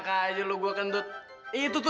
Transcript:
kayak gua luar biasa menurut jijik ini ya